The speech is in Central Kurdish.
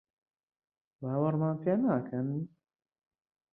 باوەڕمان پێ ناکەن؟